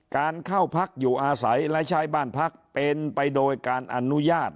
การเข้าพักอยู่อาศัยและใช้บ้านพักเป็นไปโดยการอนุญาต